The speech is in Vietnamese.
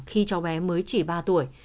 khi cháu bé mới chỉ ba tuổi